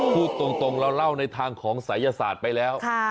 พูดตรงเราเล่าในทางของศัยศาสตร์ไปแล้ว